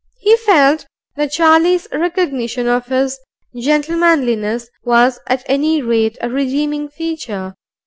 He felt that Charlie's recognition of his gentlemanliness was at any rate a redeeming feature.